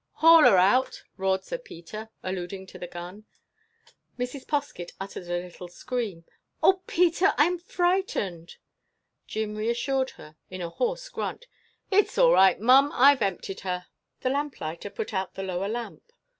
"Haul her out!" roared Sir Peter, alluding to the gun. Mrs. Poskett uttered a little scream. "Oh, Peter! I 'm frightened!" Jim reassured her in a hoarse grunt. "It 's all right, Mum, I 've emptied her." The lamplighter put out the lower lamp.